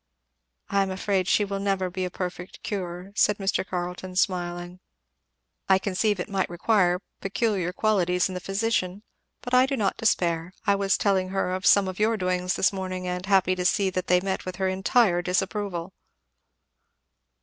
"I am afraid she will never be a perfect cure," said Mr. Carleton smiling. "I conceive it might require peculiar qualities in the physician, but I do not despair. I was telling her of some of your doings this morning, and happy to see that they met with her entire disapproval."